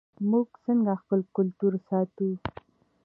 موږ څنګه خپل کلتور ساتو؟